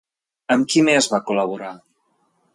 Amb qui més va col·laborar?